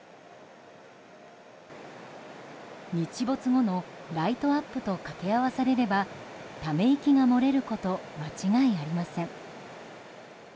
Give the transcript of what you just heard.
日没後のライトアップとかけ合わされればため息が漏れること間違いありません。